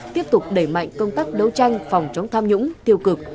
tiếp tục đẩy mạnh công tác đấu tranh phòng chống tham nhũng tiêu cực